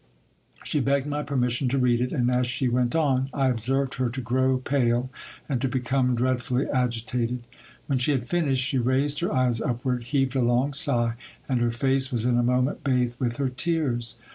She begged my permission to read it ; and as she went on, I observed her to grow pale, and to become dreadfully agitated. When she had finished, she raised her eyes upward, heaved a long sigh, and her face was in a moment bathed with her tears.